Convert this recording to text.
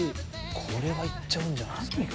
これは行っちゃうんじゃない？